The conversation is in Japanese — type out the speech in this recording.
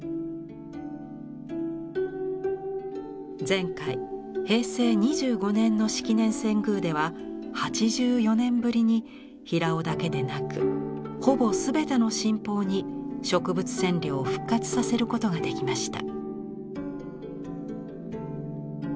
前回平成２５年の式年遷宮では８４年ぶりに平緒だけでなくほぼすべての神宝に植物染料を復活させることができました。